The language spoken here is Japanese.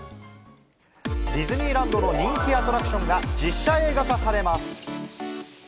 ディズニーランドの人気アトラクションが実写映画化されます。